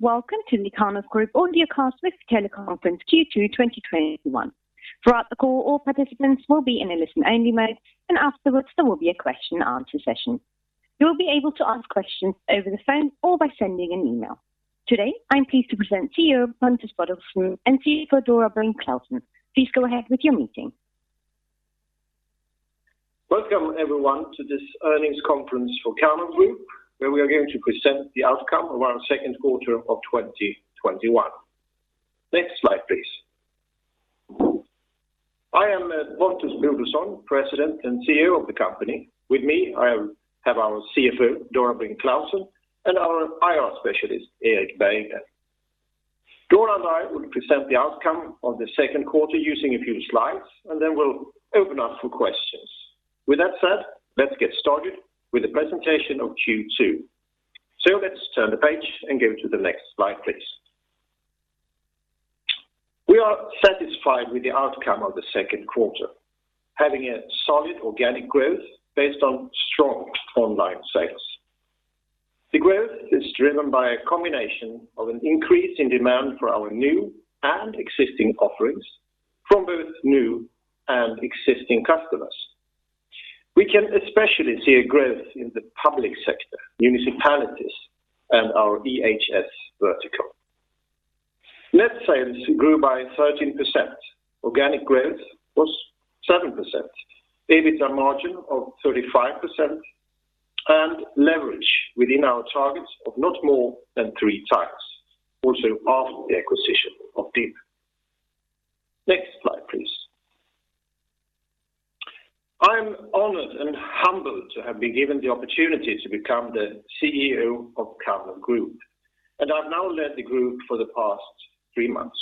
Welcome to the Karnov Group Audio Cast with the Teleconference Q2 2021. Throughout the call, all participants will be in a listen-only mode, and afterwards there will be a question-and-answer session. You'll be able to ask questions over the phone or by sending an email. Today, I'm pleased to present CEO Pontus Bodelsson and CFO Dora Brink Clausen. Please go ahead with your meeting. Welcome everyone to this earnings conference for Karnov Group, where we are going to present the outcome of our second quarter of 2021. Next slide, please. I am Pontus Bodelsson, President and CEO of the company. With me, I have our CFO, Dora Brink Clausen, and our IR specialist, Erik Berggren. Dora and I will present the outcome of the second quarter using a few slides, and then we'll open up for questions. With that said, let's get started with the presentation of Q2. Let's turn the page and go to the next slide, please. We are satisfied with the outcome of the second quarter, having a solid organic growth based on strong online sales. The growth is driven by a combination of an increase in demand for our new and existing offerings from both new and existing customers. We can especially see a growth in the public sector, municipalities, and our EHS vertical. Net sales grew by 13%. Organic growth was 7%. EBITDA margin of 35% and leverage within our targets of not more than three times, also after the acquisition of DIB. Next slide, please. I'm honored and humbled to have been given the opportunity to become the CEO of Karnov Group, and I've now led the group for the past three months.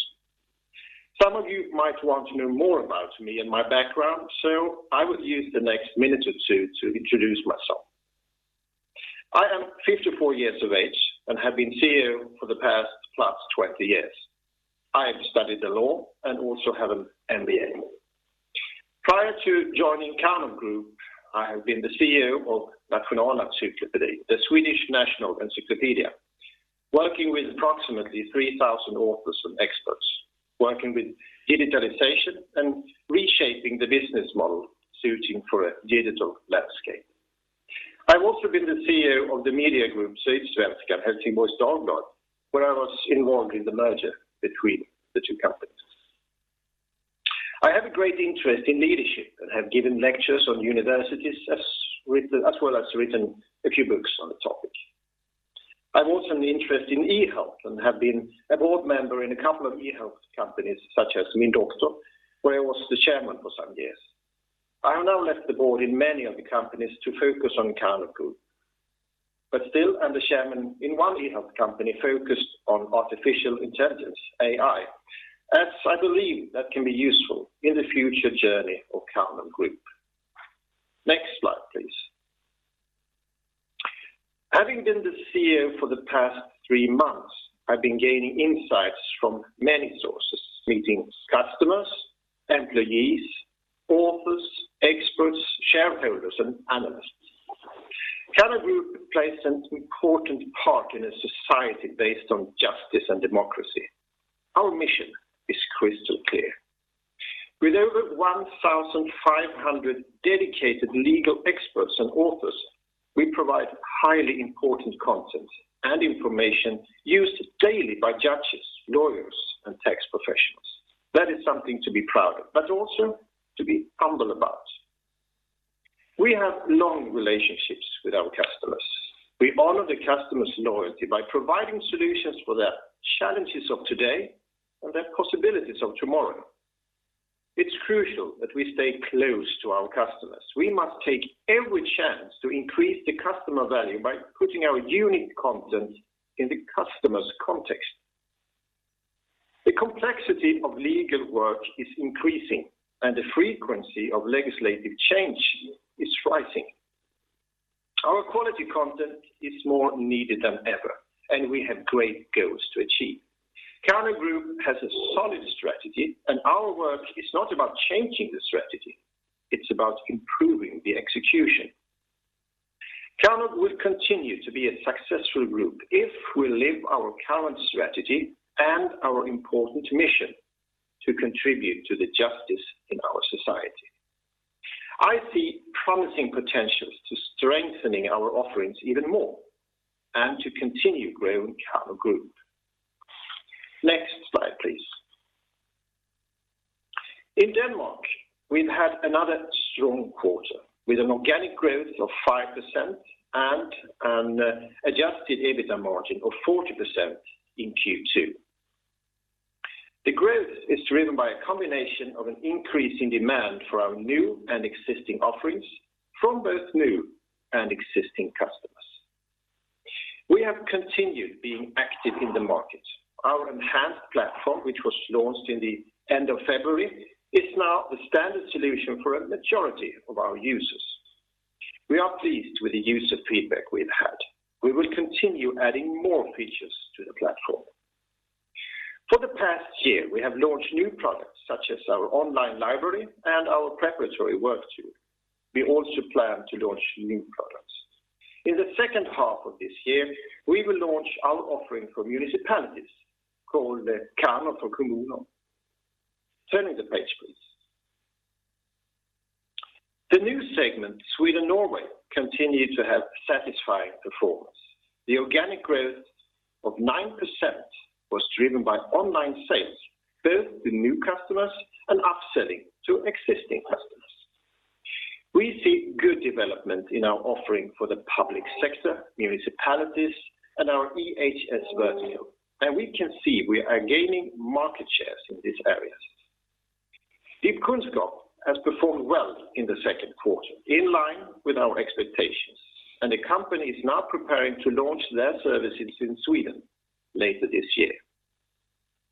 Some of you might want to know more about me and my background, so I will use the next minute or two to introduce myself. I am 54 years of age and have been CEO for the past +20 years. I have studied the law and also have an MBA. Prior to joining Karnov Group, I have been the CEO of Nationalencyklopedin, the Swedish National Encyclopedia, working with approximately 3,000 authors and experts, working with digitalization and reshaping the business model suiting for a digital landscape. I've also been the CEO of the media group HD-Sydsvenskan where I was involved in the merger between the two companies. I have a great interest in leadership and have given lectures on universities as well as written a few books on the topic. I've also an interest in e-health and have been a board member in a couple of e-health companies such as Min Doktor, where I was the Chairman for some years. I have now left the board in many of the companies to focus on Karnov Group, but still am the chairman in one e-health company focused on artificial intelligence, AI, as I believe that can be useful in the future journey of Karnov Group. Next slide, please. Having been the CEO for the past three months, I've been gaining insights from many sources, meeting customers, employees, authors, experts, shareholders, and analysts. Karnov Group plays an important part in a society based on justice and democracy. Our mission is crystal clear. With over 1,500 dedicated legal experts and authors, we provide highly important content and information used daily by judges, lawyers, and tax professionals. That is something to be proud of, but also to be humble about. We have long relationships with our customers. We honor the customer's loyalty by providing solutions for their challenges of today and their possibilities of tomorrow. It's crucial that we stay close to our customers. We must take every chance to increase the customer value by putting our unique content in the customer's context. The complexity of legal work is increasing, and the frequency of legislative change is rising. Our quality content is more needed than ever, and we have great goals to achieve. Karnov Group has a solid strategy, and our work is not about changing the strategy. It's about improving the execution. Karnov will continue to be a successful group if we live our current strategy and our important mission to contribute to the justice in our society. I see promising potentials to strengthening our offerings even more and to continue growing Karnov Group. Next slide, please. In Denmark, we've had another strong quarter with an organic growth of 5% and an adjusted EBITDA margin of 40% in Q2. The growth is driven by a combination of an increase in demand for our new and existing offerings from both new and existing customers. We have continued being active in the market. Our enhanced platform, which was launched in the end of February, is now the standard solution for a majority of our users. We are pleased with the user feedback we've had. We will continue adding more features to the platform. For the past year, we have launched new products such as our online library and our preparatory work tool. We also plan to launch new products. In the second half of this year, we will launch our offering for municipalities called the Karnov for Kommuner. Turning the page, please. The new segment, Sweden/Norway, continued to have satisfying performance. The organic growth of 9% was driven by online sales, both to new customers and upselling to existing customers. We see good development in our offering for the public sector, municipalities, and our EHS vertical, and we can see we are gaining market shares in these areas. DIBkunnskap has performed well in the second quarter, in line with our expectations, and the company is now preparing to launch their services in Sweden later this year.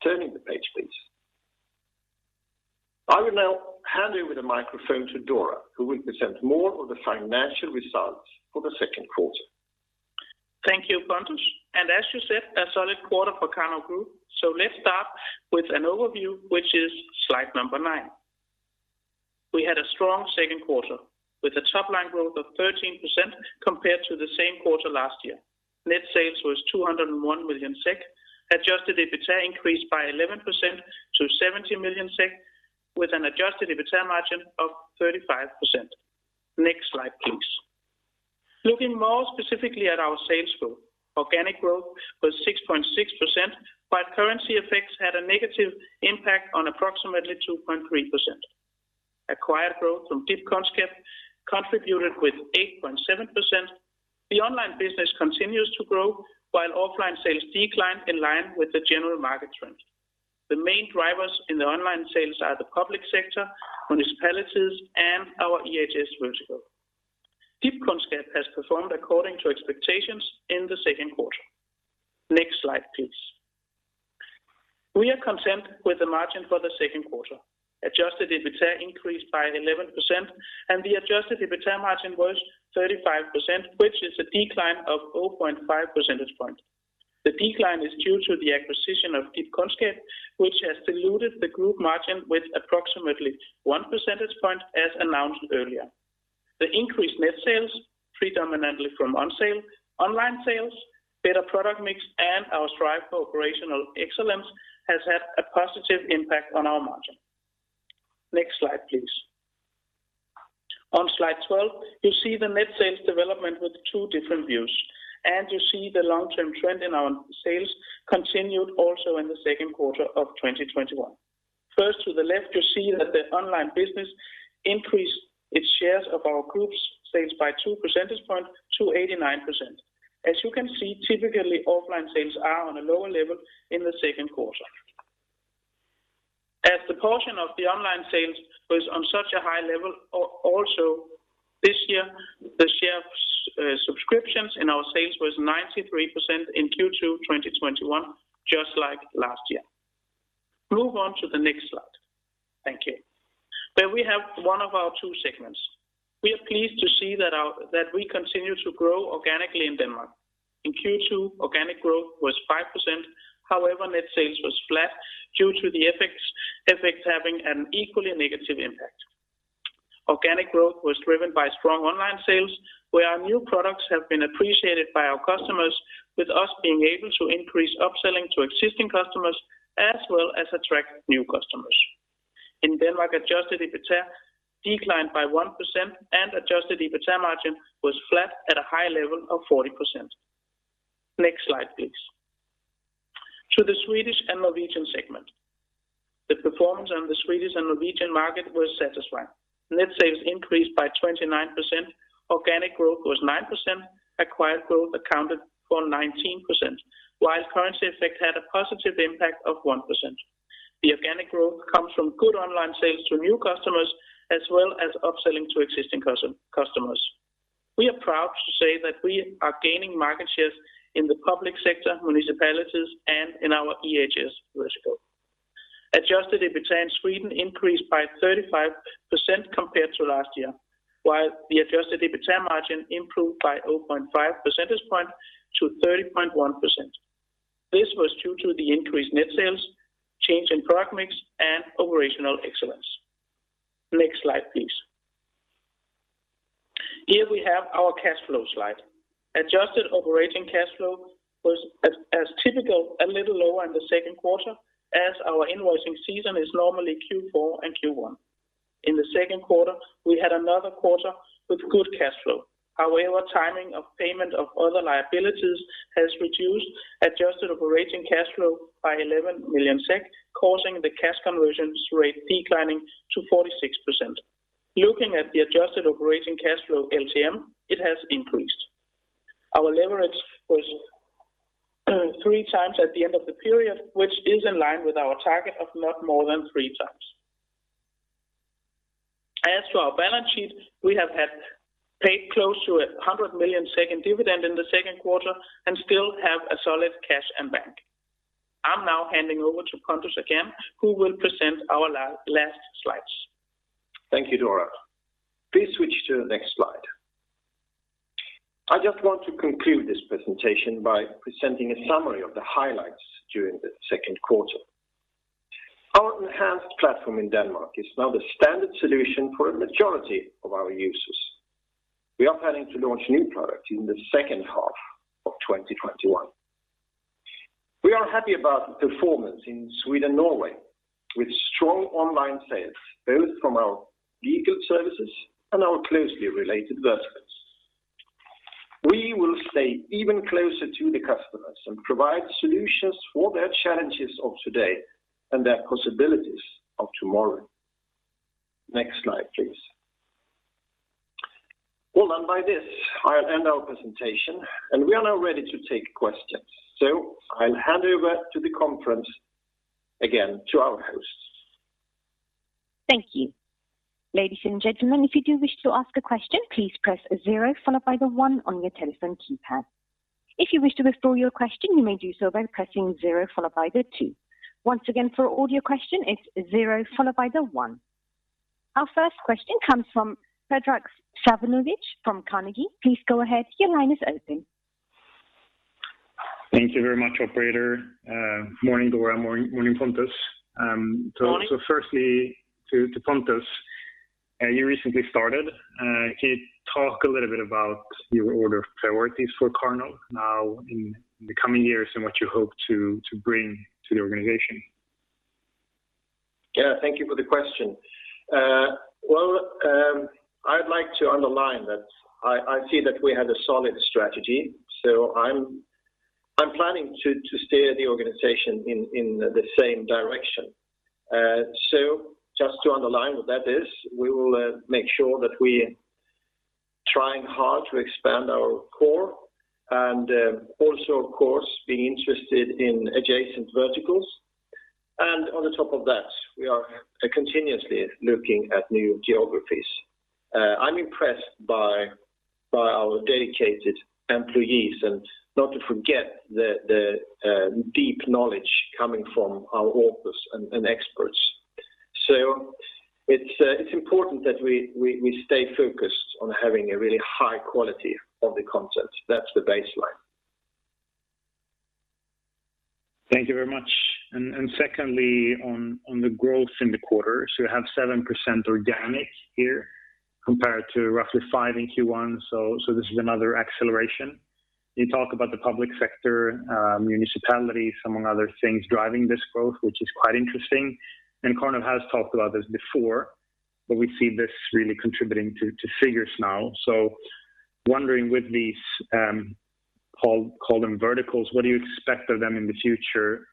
Turning the page, please. I will now hand over the microphone to Dora, who will present more of the financial results for the second quarter. Thank you, Pontus. As you said, a solid quarter for Karnov Group. Let's start with an overview, which is slide number nine. We had a strong second quarter with a top-line growth of 13% compared to the same quarter last year. Net sales was 201 million SEK. Adjusted EBITA increased by 11% to 70 million SEK, with an adjusted EBITA margin of 35%. Next slide, please. Looking more specifically at our sales growth, organic growth was 6.6%, but currency effects had a negative impact on approximately 2.3%. Acquired growth from DIBkunnskap contributed with 8.7%. The online business continues to grow, while offline sales declined in line with the general market trend. The main drivers in the online sales are the public sector, municipalities, and our EHS vertical. DIBkunnskap has performed according to expectations in the second quarter. Next slide, please. We are content with the margin for the second quarter. Adjusted EBITA increased by 11%, and the adjusted EBITA margin was 35%, which is a decline of 0.5 percentage point. The decline is due to the acquisition of DIBkunnskap, which has diluted the group margin with approximately one percentage point, as announced earlier. The increased net sales, predominantly from online sales, better product mix, and our strive for operational excellence has had a positive impact on our margin. Next slide, please. On slide 12, you see the net sales development with two different views, and you see the long-term trend in our sales continued also in second quarter of 2021. First to the left, you see that the online business increased its shares of our group's sales by two percentage points to 89%. As you can see, typically, offline sales are on a lower level in the second quarter. As the portion of the online sales was on such a high level, also this year, the share of subscriptions in our sales was 93% in Q2 2021, just like last year. Move on to the next slide. Thank you. Where we have one of our two segments. We are pleased to see that we continue to grow organically in Denmark. In Q2, organic growth was 5%. However, net sales was flat due to the FX having an equally negative impact. Organic growth was driven by strong online sales, where our new products have been appreciated by our customers, with us being able to increase upselling to existing customers, as well as attract new customers. In Denmark, adjusted EBITA declined by 1% and adjusted EBITA margin was flat at a high level of 40%. Next slide, please. To the Swedish and Norwegian segment. The performance on the Swedish and Norwegian market was satisfying. Net sales increased by 29%. Organic growth was 9%. Acquired growth accounted for 19%, while currency effect had a positive impact of 1%. The organic growth comes from good online sales to new customers, as well as upselling to existing customers. We are proud to say that we are gaining market shares in the public sector, municipalities, and in our EHS vertical. Adjusted EBITA in Sweden increased by 35% compared to last year, while the adjusted EBITA margin improved by 0.5 percentage point to 30.1%. This was due to the increased net sales, change in product mix, and operational excellence. Next slide, please. Here we have our cash flow slide. Adjusted operating cash flow was, as typical, a little lower in the second quarter as our invoicing season is normally Q4 and Q1. In the second quarter, we had another quarter with good cash flow. Timing of payment of other liabilities has reduced adjusted operating cash flow by 11 million SEK, causing the cash conversion rate declining to 46%. Looking at the adjusted operating cash flow LTM, it has increased. Our leverage was 3x at the end of the period, which is in line with our target of not more than three times. As to our balance sheet, we have had paid close to 100 million in dividend in the second quarter and still have a solid cash in bank. I'm now handing over to Pontus again, who will present our last slides. Thank you, Dora. Please switch to the next slide. I just want to conclude this presentation by presenting a summary of the highlights during the second quarter. Our enhanced platform in Denmark is now the standard solution for a majority of our users. We are planning to launch new products in the second half of 2021. We are happy about the performance in Sweden, Norway, with strong online sales, both from our legal services and our closely related verticals. We will stay even closer to the customers and provide solutions for their challenges of today and their possibilities of tomorrow. Next slide, please. Well, by this, I'll end our presentation, and we are now ready to take questions. I'll hand over to the conference again to our hosts. Thank you. Ladies and gentlemen, if you do wish to ask a question, please press zero followed by the one on your telephone keypad. If you wish to withdraw your question, you may do so by pressing zero followed by the two. Once again, for audio question, it is zero followed by the one. Our first question comes from Predrag Savinovic from Carnegie. Please go ahead. Your line is open. Thank you very much, operator. Morning, Dora. Morning, Pontus. Morning. Firstly to Pontus. You recently started. Can you talk a little bit about your order of priorities for Karnov now in the coming years and what you hope to bring to the organization? Thank you for the question. Well, I'd like to underline that I see that we have a solid strategy. I'm planning to steer the organization in the same direction. Just to underline what that is, we will make sure that we're trying hard to expand our core and also, of course, being interested in adjacent verticals. On the top of that, we are continuously looking at new geographies. I'm impressed by our dedicated employees and not to forget the deep knowledge coming from our authors and experts. It's important that we stay focused on having a really high quality of the content. That's the baseline. Thank you very much. Secondly, on the growth in the quarter. You have 7% organic here compared to roughly five in Q1. This is another acceleration. You talk about the public sector, municipalities, among other things, driving this growth, which is quite interesting. Karnov has talked about this before, but we see this really contributing to figures now. Wondering with these, call them verticals, what do you expect of them in the future?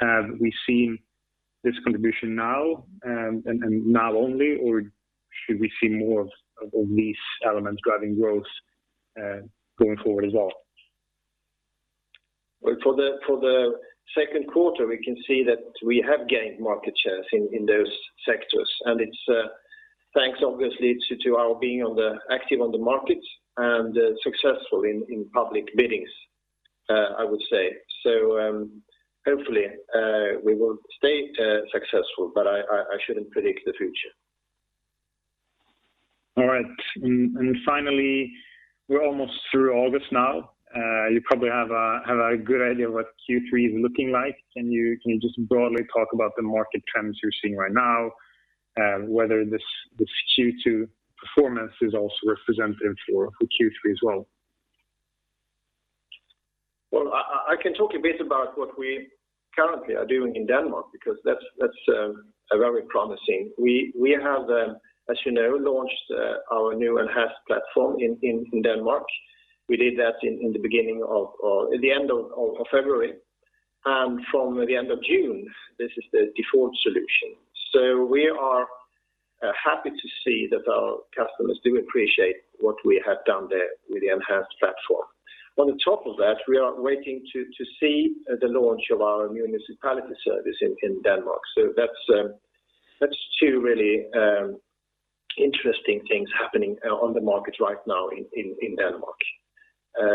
Have we seen this contribution now and now only, or should we see more of these elements driving growth going forward as well? Well, for the second quarter, we can see that we have gained market shares in those sectors, and it's thanks obviously to our being active on the markets and successful in public biddings, I would say. Hopefully, we will stay successful, but I shouldn't predict the future. All right. Finally, we're almost through August now. You probably have a good idea what Q3 is looking like. Can you just broadly talk about the market trends you're seeing right now, whether this Q2 performance is also representative for Q3 as well? I can talk a bit about what we currently are doing in Denmark because that's very promising. We have, as you know, launched our new enhanced platform in Denmark. We did that in the end of February. From the end of June, this is the default solution. We are happy to see that our customers do appreciate what we have done there with the enhanced platform. On the top of that, we are waiting to see the launch of our municipality service in Denmark. That's two really interesting things happening on the market right now in Denmark.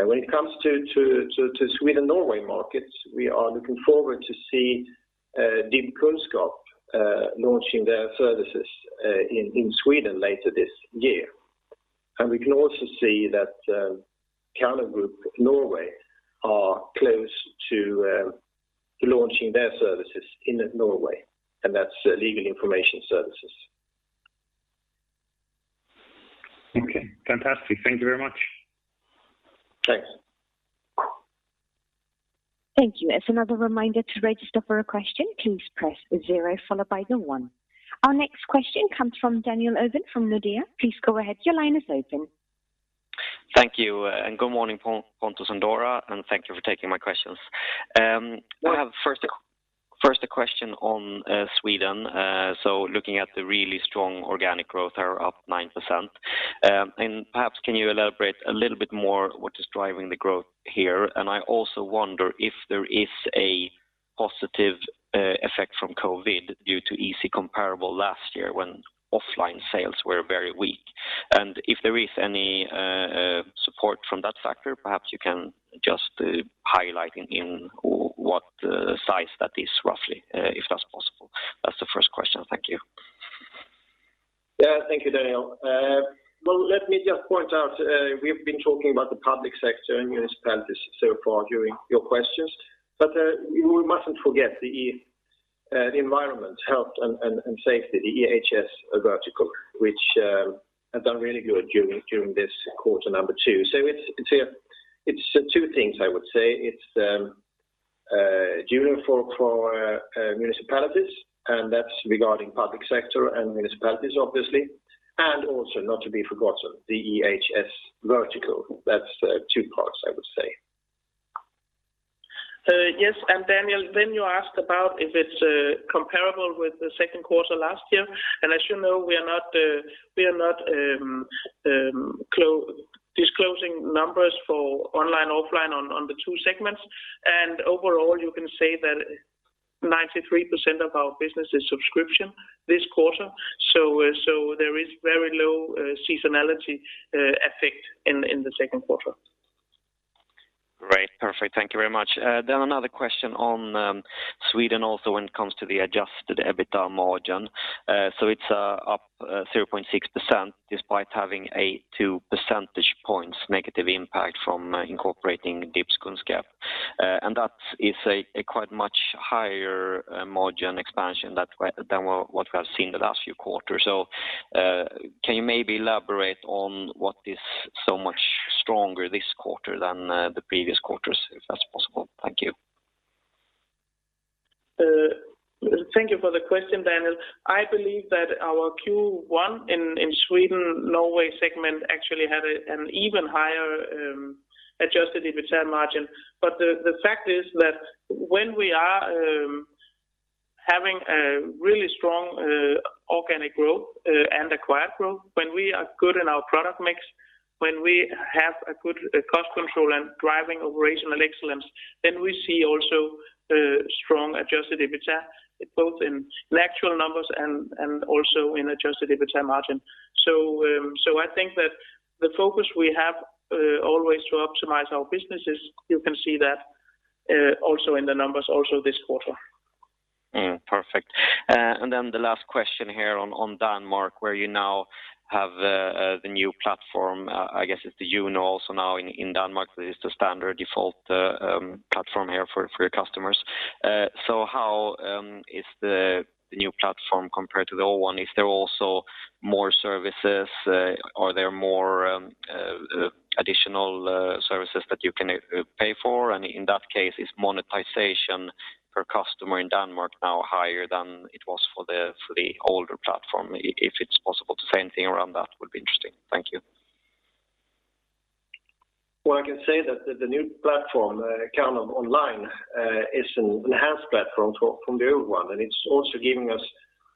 When it comes to Sweden, Norway markets, we are looking forward to see DIBkunnskap launching their services in Sweden later this year. We can also see that Karnov Group Norway are close to launching their services in Norway, and that's legal information services. Okay, fantastic. Thank you very much. Thanks. Thank you. As another reminder to register for a question, please press zero followed by the one. Our next question comes from Daniel Ovin from Nordea. Please go ahead. Your line is open. Thank you. Good morning, Pontus and Dora, and thank you for taking my questions. Welcome. I have first a question on Sweden. Looking at the really strong organic growth are up 9%. Perhaps can you elaborate a little bit more what is driving the growth here? I also wonder if there is a positive effect from COVID due to easy comparable last year when offline sales were very weak. If there is any support from that factor, perhaps you can just highlight in what size that is roughly if that's possible. That's the first question. Thank you. Yeah. Thank you, Daniel. Well, let me just point out, we've been talking about the public sector and municipalities so far during your questions, but we mustn't forget the environment, health, and safety, the EHS vertical, which have done really good during this quarter number two. It's two things I would say. It's JUNO for municipalities, and that's regarding public sector and municipalities, obviously, and also not to be forgotten, the EHS vertical. That's two parts I would say. Yes, Daniel, you asked about if it's comparable with the second quarter last year. As you know, we are not disclosing numbers for online/offline on the two segments. Overall, you can say that 93% of our business is subscription this quarter. There is very low seasonality effect in the second quarter. Great. Perfect. Thank you very much. Another question on Sweden also when it comes to the adjusted EBITDA margin. It's up 3.6% despite having a two percentage points negative impact from incorporating DIBkunnskap. That is a quite much higher margin expansion than what we have seen the last few quarters. Can you maybe elaborate on what is so much stronger this quarter than the previous quarters, if that's possible? Thank you. Thank you for the question, Daniel. I believe that our Q1 in Sweden, Norway segment actually had an even higher adjusted EBITDA margin. The fact is that when we are having a really strong organic growth and acquired growth, when we are good in our product mix, when we have a good cost control and driving operational excellence, we see also strong adjusted EBITDA, both in actual numbers and also in adjusted EBITDA margin. I think that the focus we have always to optimize our businesses, you can see that also in the numbers also this quarter. Mm. Perfect. The last question here on Denmark, where you now have the new platform, I guess it's the JUNO also now in Denmark. That is the standard default platform here for your customers. How is the new platform compared to the old one? Is there also more services? Are there more additional services that you can pay for? In that case, is monetization per customer in Denmark now higher than it was for the older platform? If it's possible to say anything around that would be interesting. Thank you. I can say that the new platform, Karnov Online, is an enhanced platform from the old one, and it's also giving us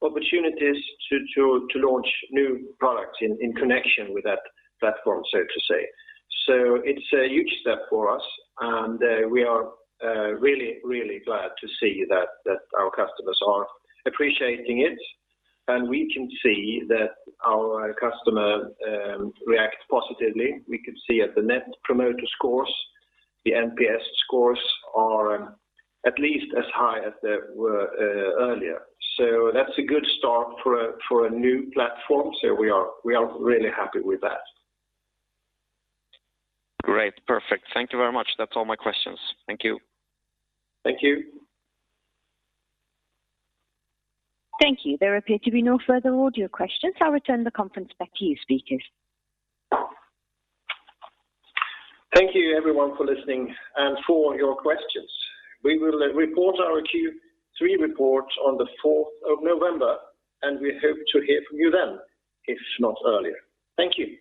opportunities to launch new products in connection with that platform, so to say. It's a huge step for us, and we are really glad to see that our customers are appreciating it, and we can see that our customer reacts positively. We could see at the Net Promoter Scores, the NPS scores are at least as high as they were earlier. That's a good start for a new platform. We are really happy with that. Great. Perfect. Thank you very much. That's all my questions. Thank you. Thank you. Thank you. There appear to be no further audio questions. I'll return the conference back to you, speakers. Thank you everyone for listening and for your questions. We will report our Q3 reports on the 4th of November, and we hope to hear from you then, if not earlier. Thank you.